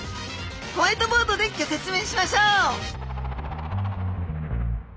ホワイトボードでギョ説明しましょう！